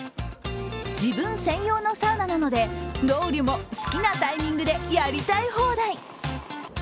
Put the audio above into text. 自分専用のサウナなのでロウリュも好きなタイミングでやりたい放題。